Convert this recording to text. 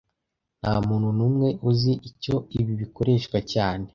Ntamuntu numwe uzi icyo ibi bikoreshwa cyane